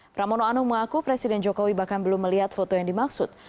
pramono anung mengaku presiden jokowi bahkan belum melihat foto yang dimaksud